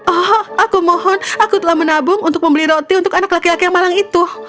oh aku mohon aku telah menabung untuk membeli roti untuk anak laki laki yang malang itu